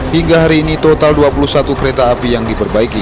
hingga hari ini total dua puluh satu kereta api yang diperbaiki